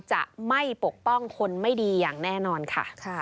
จะไม่ปกป้องคนไม่ดีอย่างแน่นอนค่ะ